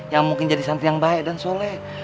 yang mungkin jadi santri yang baik dan soleh